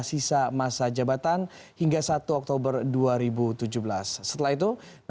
sisa masa jabatan tahun dua ribu dua belas dua ribu tujuh belas